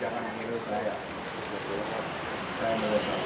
jangan mengeluh saya saya melosak